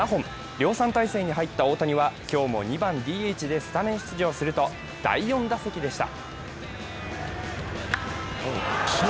量産体制に入った大谷は今日も２番・ＤＨでスタメン出場すると第４打席でした。